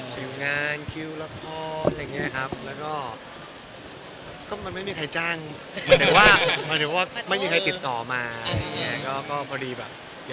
คิวงานคิวละครก็ไม่มีใครจ้างมีใครติดต่อมา